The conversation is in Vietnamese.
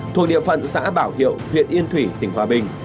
thuộc địa phận xã bảo hiệu huyện yên thủy tỉnh hòa bình